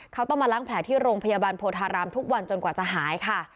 เขาต้องมาล้างแผลที่โรงพยาบาลโพธารามทุกวันจนกว่าจะหายค่ะ